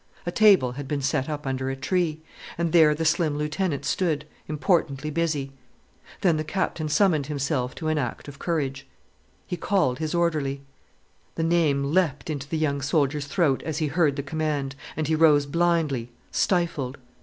A table had been set up under a tree, and there the slim lieutenant stood, importantly busy. Then the Captain summoned himself to an act of courage. He called his orderly. The name leapt into the young soldier's throat as he heard the command, and he rose blindly stifled.